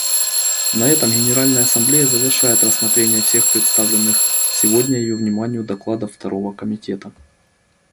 На этом Генеральная Ассамблея завершает рассмотрение всех представленных сегодня ее вниманию докладов Второго комитета.